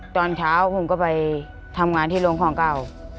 ตอนเช้าผมก็ไปทำงานที่โรงของเก่า